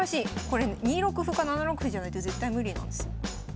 これ２六歩か７六歩じゃないと絶対無理なんですよ。